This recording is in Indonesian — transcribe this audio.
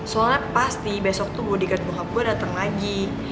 soalnya pasti besok tuh bodega bokap gua dateng lagi